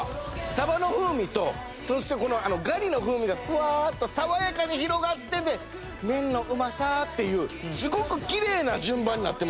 さばの風味とそしてこのガリの風味がふわーっと爽やかに広がってで麺のうまさっていうすごくきれいな順番になってますね。